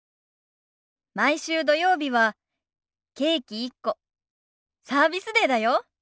毎週土曜日はケーキ１個サービスデーだよ。